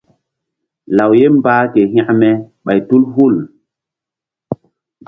Law ye mbah ke hekme ɓay tu hul.